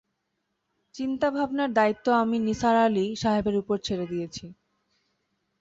চিন্তা-ভাবনার দায়িত্ব আমি নিসার আলি সাহেবের ওপর ছেড়ে দিয়েছি।